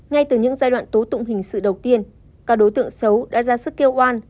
ngay từ những giai đoạn tố tụng hình sự đầu tiên các đối tượng xấu đã ra sức kêu oan